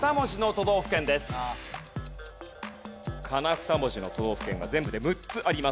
２文字の都道府県は全部で６つあります。